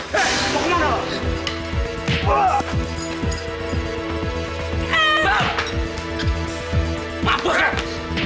lalu banget tuh mobilnya